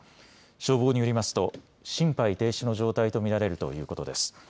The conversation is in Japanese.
消防によりますと心肺停止の状態と見られるということです。